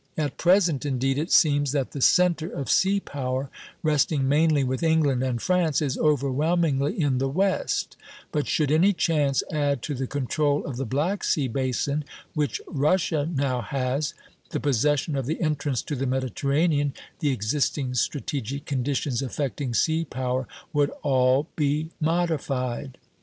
At present, indeed, it seems that the centre of sea power, resting mainly with England and France, is overwhelmingly in the West; but should any chance add to the control of the Black Sea basin, which Russia now has, the possession of the entrance to the Mediterranean, the existing strategic conditions affecting sea power would all be modified.